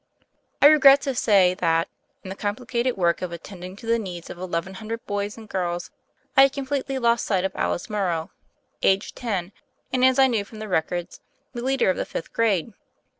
I regret to say that, in the complicated work of attending to the needs of eleven hundred boys and girls, I had completely lost sight of Alice Morrow, aged ten, and, as I knew from the records, the leader of the fifth grade.